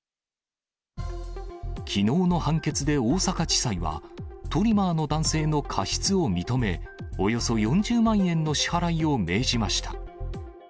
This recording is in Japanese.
きのうの判決で大阪地裁は、トリマーの男性の過失を認め、およそ４０万円の支払いを命じました。